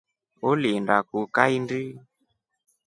Uliinda kuu kaindi?